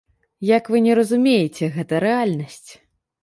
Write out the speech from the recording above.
Як вы не разумееце, гэта рэальнасць.